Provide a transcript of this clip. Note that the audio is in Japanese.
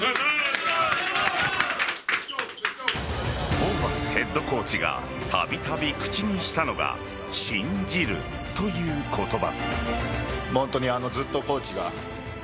ホーバスヘッドコーチがたびたび口にしたのが信じるという言葉。